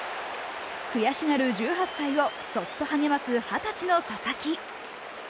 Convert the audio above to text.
悔しがる１８歳をそっと励ます２０歳の佐々木。